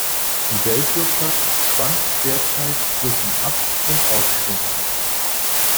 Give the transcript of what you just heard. Die Weltwirtschaft schwankt derzeit zwischen Ab- und Aufschwung.